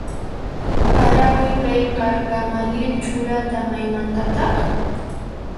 Harawi qillqaq Gamaliel Churata maymantataq?